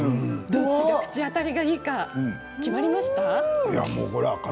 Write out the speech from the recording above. どちらが口当たりがいいか決まりましたか？